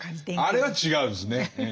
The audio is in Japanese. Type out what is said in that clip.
あれは違うんですね。